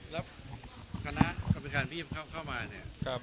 แล้วคณะกรรมการที่จะเข้ามาเนี่ย